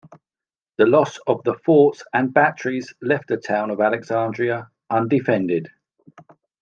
The loss of the forts and batteries left the town of Alexandria undefended.